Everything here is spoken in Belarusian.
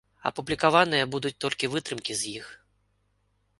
Апублікаваныя будуць толькі вытрымкі з іх.